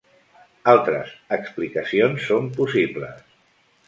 Altres explicacions són possibles.